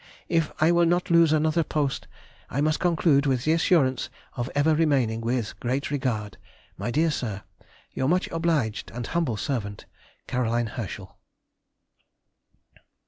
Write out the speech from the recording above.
If I will not lose another post I must conclude with the assurance of ever remaining with great regard, My dear Sir, Your much obliged and humble servant, C. HERSCHEL. [Sidenote: 1836. _Southern Stars.